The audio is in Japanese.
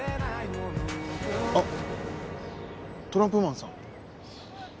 あトランプマンさん。